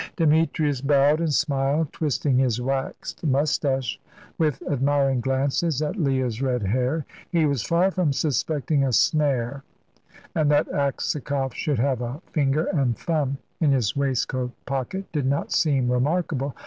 Demetrius bowed and smiled, twisting his waxed moustache with admiring glances at Leah's red hair. He was far from suspecting a snare, and that Aksakoff should have a finger and thumb in his waistcoat pocket did not seem remarkable.